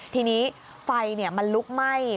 ทีนี้ไฟมันลุกไหม้